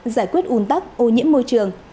giải quyết ủn tắc ô nhiễm môi trường